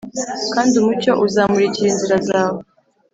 Kandi umucyo uzamurikira inzira zawe